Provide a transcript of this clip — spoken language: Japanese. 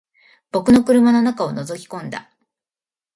僕も車の中を覗き込んだ